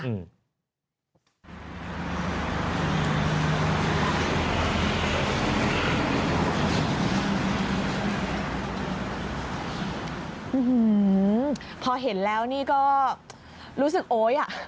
อื้อหือพอเห็นแล้วนี่ก็รู้สึกโอ๊ย